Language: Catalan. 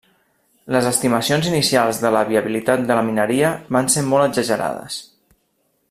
Les estimacions inicials de la viabilitat de la mineria van ser molt exagerades.